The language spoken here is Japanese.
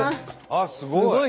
あっすごい！